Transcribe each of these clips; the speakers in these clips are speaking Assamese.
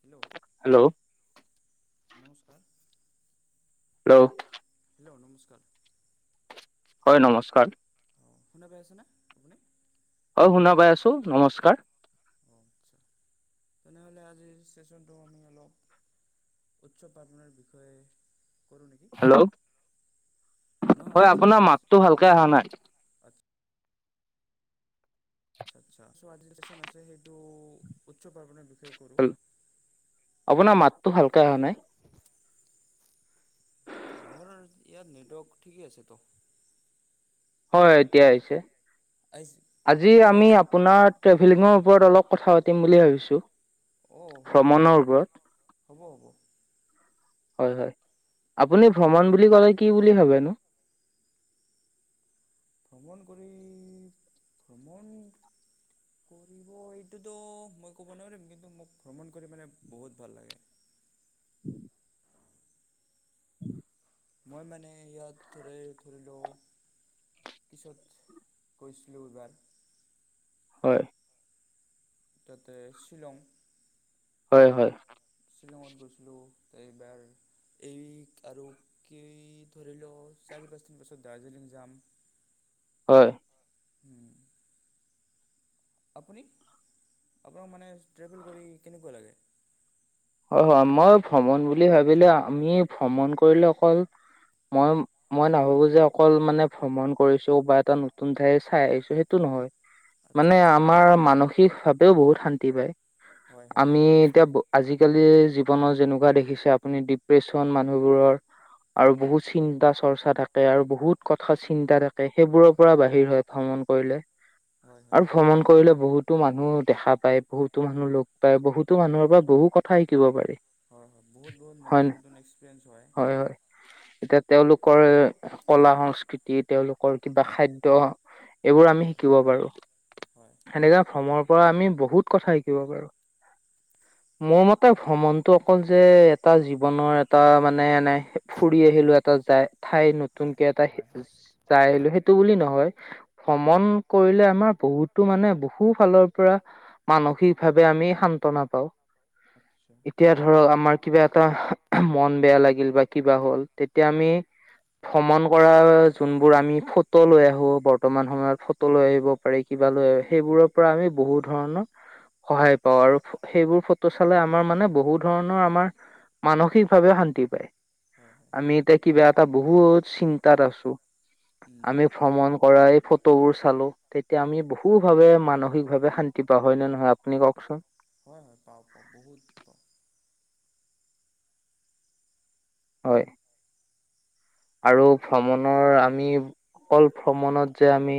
হেল্ল', হেল্ল', নমস্কাৰ। হেল্ল', হেল্ল', নমস্কাৰ। হয় নমস্কাৰ। অ, শুনা পাই আছেনা আপুনি? অ, শুনা পাই আছোঁ নমস্কাৰ। অ, আচ্ছা তেনেহ'লে আজি চেচনটো আমি অলপ উৎচৱ পাৰ্বণৰ বিষয়ে কৰোঁ নেকি হেল্ল' নহয় হয় আজি আপোনাৰ আমাৰ চ [unintelligible] আচ্ছা-আচ্ছা চ' আজি চেচন আছে সেইটো উচ্চ পাৰ্বনৰ বিষয়ে কৰো। আপোনাৰ মাততো ভালকে আহা নাই। মোৰ ইয়াত নেটৱৰ্ক ঠিকে আছে তো। হয় এতিয়া আহিছে। আহিছে। আজি শুনা পাই আমি আছে আপোনাৰ ট্ৰেভিলিঙৰ উপৰত অলপ কথা পাতিম বুলি ভাবিছোঁ। অ, হ'ব দিয়ক হ'ব-হ'ব। হয়-হয় আপুনি ভ্ৰমণ বুলি ক'লে কি বুলি ভাবেনো? ভ্ৰমণ কৰি ভ্ৰমণ কৰিব এইটোতো মই ক'ব নোৱাৰিম কিন্তু মোক ভ্ৰমণ কৰি মানে বহুত ভাল লাগে। [unintelligible] [unintelligible] মই মানে ইয়াত ধৰি-ধৰি লওঁ পিছত গৈছিলোঁ এইবাৰ। হয়। তাতে শ্বিলং হয়-হয়। শ্বিলঙত গৈছিলোঁ এইবাৰ এইক আৰু কেই ধৰি লও চাৰি, পাঁচদিন পিছত দাৰ্জিলিং যাম। হয়। হম, আপুনি আপোনাক মানে ট্ৰেভেল কৰি কেনেকুৱা লাগে? হয়-হয় মই ভ্ৰমণ বুলি ভাবিলে আমি ভ্ৰমণ কৰিলে অকল মই মই নাভাবো যে অকল মানে ভ্ৰমণ কৰিছো বা এটা নতুন ঠাই চাই আহিছো সেইটো নহয় আচ্ছা মানে আচ্ছা আমাৰ মানসিক ভাৱেও বহুত শান্তি পায় হয় হয় আমি এতিয়া আজিকালি জীৱনত যেনেকুৱা দেখিছে আপুনি ডিপ্ৰেচন মানুহবোৰৰ আৰু হয় বহুত চিন্তা চ খৰচা থাকে আৰু বহুত কথা চিন্তা থাকে, সেইবোৰৰ পৰা বাহিৰ হয় ভ্ৰমণ কৰিলে। হয় হয় আৰু ভ্ৰমণ কৰিলে বহুত- টো মানুহ দেখা পায়, বহুতো মানুহ লগ পায়, বহুতো মানুহৰ পৰা বহু কথা শিকিব পাৰি। হয় হয়, বহুত বহুত হয় নতুন ন নতুন এক্সপিৰিয়েন্ঞ্চ হয়। এতিয়া তেওঁলোকৰ- কলা- সংস্কৃতি তেওঁলোকৰ কিবা খাদ্য- এইবোৰ আমি হয় শিকিব হয় পাৰো। হয় সেনেকা ভ্ৰমণৰ পৰা আমি বহুত কথা শিকিব পাৰোঁ। মোৰ মতে, ভ্ৰমণটো অকল যে এটা জীৱনৰ এটা মানে এনেই ফুৰি আহিলো এটা যায়- ঠাই হয় নতুনকে এটা হয় হয় হিজ- যাই আহিলোঁ সেইটো বুলি নহয়, উম উম ভ্ৰমণ কৰিলে আমাৰ বহুতো মানে বহু- হু ফালৰ পৰা মানসিকভাৱে আমি সান্তনা পাওঁ। আচ্ছা এতিয়া ধৰক আমাৰ কিবা এটা মন বেয়া লাগিল বা কিবা হ'ল, তেতিয়া আমি- ভ্ৰমণ কৰাৰ যোনবোৰ আমি ফটো লৈ আহো বৰ্তমান সময়ত ফট- টো লৈ আহিব পাৰি কিবা লৈ এ সেইবোৰৰ পৰা আমি বহু ধৰণৰ- সহায় পাওঁ, আৰু সেইবোৰ ফট- টো চালে আমাৰ মানে বহু ধৰণৰ আমাৰ মানসিকভাৱে শান্তি পায়। হয় হয় আমি এতিয়া কিবা এটা বহুত চিন্তাত আছোঁ, - উম আমি ভ্ৰমণ কৰা এই ফটোবোৰ চালোঁ। তেতিয়া আমি বহুভাৱে মানসিকভাৱে শান্তি পাওঁ হয় নে নহয় আপুনি কওকচোন? হয় হয়, পাওঁ পাওঁ বহুত পাওঁ। হয়। আৰু ভ্ৰমণৰ আমি অকল ভ্ৰমণত যে আমি-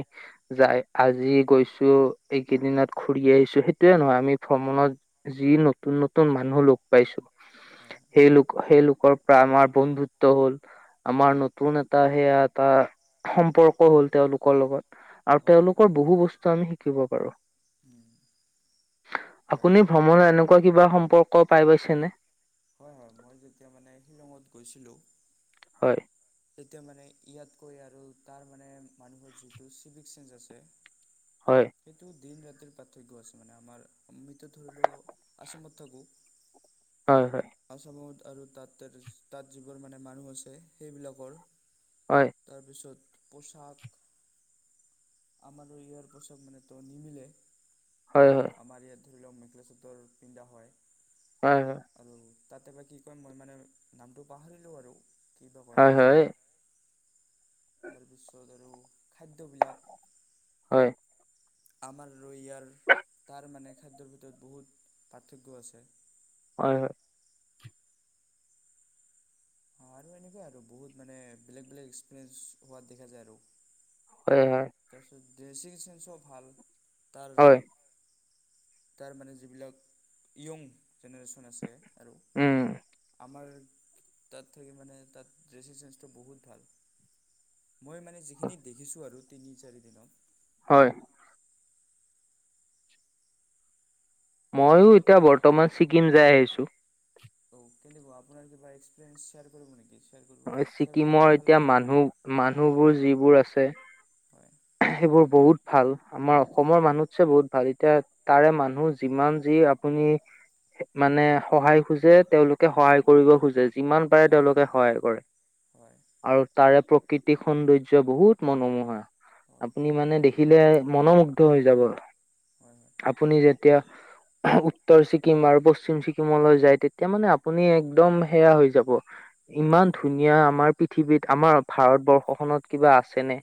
যাই আজি গৈছো এইকেইদিনাত ঘুৰি আহিছো, সেইটোয়ে নহয় আমি ভ্ৰমণত- যি নতুন নতুন মানুহ লগ পাইছোঁ- হয় হয় সেই লোক সেইলোকৰ পৰা আমাৰ বন্ধুত্ব হ'ল। আমাৰ নতুন এটা সেয়া এটা সম্পৰ্ক হ'ল তেওঁলোকৰ লগত। আৰু হয় হয় তেওঁলোকৰ বহু বস্তু আমি শিকিব পাৰো। উম' হয় আপুনি ভ্ৰমণত এনেকুৱা কিবা সম্পৰ্ক পাই পাইছেনে? হয় হয়, মই- যেতিয়া মানে শ্বিলঙত গৈছিলোঁ, - হয়। তেতিয়া মানে ইয়াতকৈ আৰু তাৰ মানে মানুহৰ যিটো চিভিক চেন্স আছে, - হয়। সেইটো দিন-ৰাতিৰ পাৰ্থক্য আছে মানে আমাৰ আমিতো ধৰি লও আচামত থাকোঁ- হয়, হয়। আচামত আৰু তাত তাত তাত যিবোৰ মানে মানুহ আছে সেইবিলাকৰ- হয়। তাৰপিছত পোছাক- আমাৰ লগত ইয়াৰ পোছাক মানে টো নিমিলে। হয়, হয়। আমাৰ ইয়াত ধৰি লওক মেখেলা-চাদৰ পিন্ধা হয়। হয়, হয়। আৰু তাতে বা কি কয় মই মানে নামটো পাহৰিলোঁ আৰু কি বা কয় হয় হয় নাজানো। তাৰপিছত আৰু খাদ্যবিলাক। হয়। আমাৰ আৰু ইয়াৰ, তাৰ মানে খাদ্যৰ ভিতৰত বহুত পাৰ্থক্য আছে। হয়, হয়। আৰু এনেকুৱাই আৰু বহুত মানে বেলেগ বেলেগ এক্সপিৰিয়েঞ্চ পোৱা দেখা যায় আৰু। হয়, হয়। তাৰপিছত ড্ৰেচিং চেন্সও ভাল তাৰ। হয় তাৰ মানে যিবিলাক য়ং জেনেৰেশ্যন আছে। আৰু উম আমাৰ তাত থাকি মানে তাত ড্ৰেছিং চেন্সটো বহুত ভাল। মই মানে যিখিনি দেখিছোঁ আৰু তিনি চাৰিদিনত হয়। মইও এতিয়া বৰ্তমান ছিকিম যাই আহিছোঁ। অ', ‌কেনেকুৱা‌ আপোনাৰ কিবা এক্সপিৰিয়েঞ্চ শ্বিয়াৰ কৰিব নেকি? শ্বেয়াৰ কৰিব, শ্বিয়াৰ কৰি ছিকিমৰ মে ভাল এতিয়া মানুহ লাগিব। মানুহবোৰ যিবোৰ আছে। হয়। সেইবোৰ বহুত ভাল। আমাৰ অসমৰ মানুহতছে বহুত ভাল, এতিয়া তাৰে মানুহ যিমান যি আপুনি মানে সহায় খোজে তেওঁলোকে সহায় কৰিব খোজে। যিমান পাৰে হয় তেওঁলোকে সহায় কৰে। হয় আৰু তাৰে প্ৰকৃতিক সৌন্দৰ্য বহুত মনোমোহা। হয় আপুনি মানে দেখিলে মনমুগ্ধ হৈ যাব। হয় হয় আপুনি যেতিয়া উত্তৰ ছিকিম আৰু পশ্চিম ছিকিমলৈ যায়, তেতিয়া মানে আপুনি একদম সেয়া হৈ যাব। ইমান হয় হয় হয় ধুনীয়া আমাৰ পৃথিৱীত, আমাৰ ভাৰতবৰ্ষখনত কিবা আছেনে?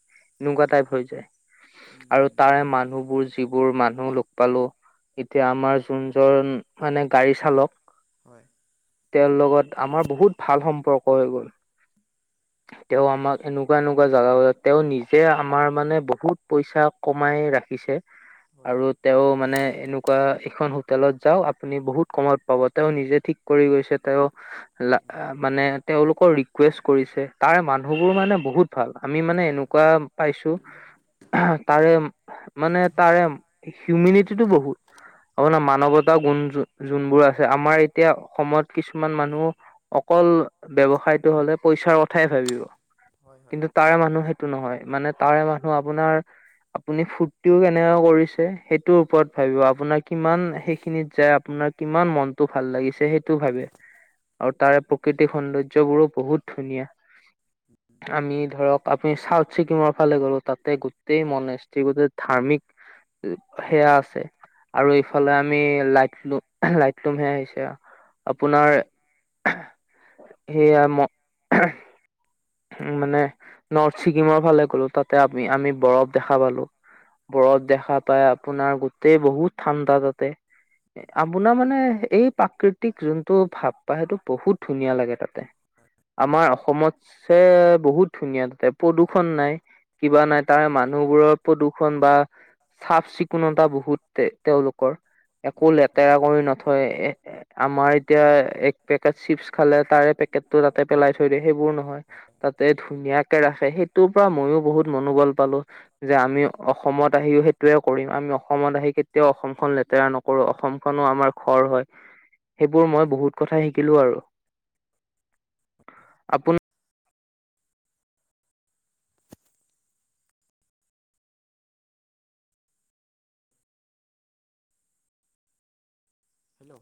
এনেকুৱা টাইপ হৈ যায়। আৰু উম তাৰে মানুহবোৰ যিবোৰ মানুহ লগ পালো। এতিয়া আমাৰ যোনজন মানে গাড়ী চালক। হয় তেওঁৰ লগত আমাৰ বহুত ভাল সম্পৰ্ক হৈ গ'ল। তেওঁ আমাক আচ্ছা এনেকুৱা এনেকুৱা জেগা বিলাক, তেওঁ নিজে আমাৰ মানে বহুত পইচা কমাই ৰাখিছে। হয় আৰু হয় তেওঁ মানে এনেকুৱা এখন হোটেলত যাও আপুনি বহুত কমত পাব। তেওঁ নিজে ঠিক কৰি গৈছে। তেওঁ লা, উম মানে তেওঁলোকৰ ৰিকুৱেষ্ট কৰিছে, তাৰে মানুহবোৰ মানে বহুত ভাল। আমি মানে এনো হয় হয় কোৱা পাইছো তাৰে মানে তাৰে হিউমিনিটিটো বহুত। আপোনৰ মানৱতা গুণ যো যোনবোৰ আছে, আমাৰ এতিয়া অসমত কিছুমান মানুহ অকল ব্যৱসায়টো হ'লে পইচাৰ কথাই ভাবিব। হয় হয় হয় হয় হয় কিন্তু তাৰে মানুহ সেইটো নহয়, মানে তাৰে মানুহ আপোনাৰ আপুনি ফূুৰ্তিও কেনেকৈ কৰিছে, সেইটোৰ ওপৰত ভাবিব, আপোনাৰ কিমান সেইখিনিত যায় আপোনাৰ কিমান মনতটো ভাল লাগিছে সেইটো ভাবে। আৰু তাৰে প্ৰকৃতিক সৌন্দৰ্যবোৰো বহুত ধুনীয়া। আমি ধৰক, আপুনি চাউথ ছিকিমৰ ফালে গলো, তাতে গোটেই মনেস্ত্ৰী গোটেই ধাৰ্মিক সেইয়া আছে। আৰু এইফালে আমি লাইটলোম, লাইটলুমহে আহিছে। আপোনাৰ সেইয়া ম মানে, নৰ্থ ছিকিমৰ ফালে গ'লো, তাতে আমি আমি বৰফ দেখা পালো। ব্ৰফ দেখা পাই। আপোনাৰ গোতেই বহুত ঠাণ্ডা তাতে। আপোনাৰ মানে এই প্ৰাকৃতিক যোনটো ভাব পা, সেইটো বহুত ধুনীয়া লাগে তাতে। আমাৰ অসমতছে বহুত ধুনীয়া তাতে, প্ৰদূষণ নাই। কিবা নাই, তাৰে মানুহবোৰৰ প্ৰদূষণ বা চাফ চিকুণতা বহুত তেওঁলোকৰ, একো লেতেৰা কৰি নথয় এ। আমাৰ এতিয়া এক পেকেট চিপছ খালে, তাৰে পেকেট টো তাতে পেলাই থৈ দিয়ে। সেইবোৰ নহয়। তাতে ধুনীয়াকে ৰাখে, সেইটোৰ পৰা মইও বহুত মনোবল পালো। যে আমি অসমত আহিও সেইটোয়ে কৰিম। আমি অসমত আহি কেতিয়াও অসমখন লেতেৰা নক কৰো অসমখনো আমাৰ ঘৰ হয় সেইবোৰ মই বহুত কথা শিকিলো আৰু। আপু হেল্ল'।